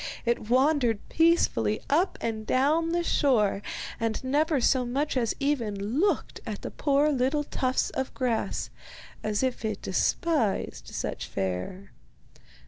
It wandered peacefully up and down the shore, and never so much as even looked at the poor little tufts of grass, as if it despised such fare.